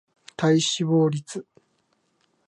体脂肪率